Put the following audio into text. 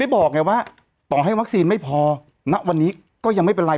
บอกไงว่าต่อให้วัคซีนไม่พอณวันนี้ก็ยังไม่เป็นไร